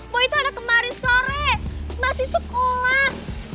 boy itu anak kemarin sore masih sekolah